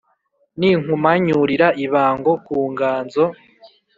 ninkumanyurira ibango ku nganzo